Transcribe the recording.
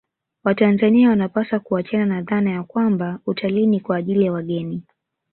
Watanzania wanapaswa kuachana na dhana ya kwamba utalii ni kwa ajili ya wageni